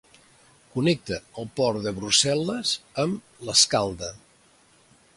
Connecta el port de Brussel·les amb l'Escalda.